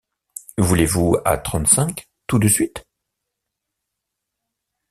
Voulez-vous à trente-cinq, tout de suite?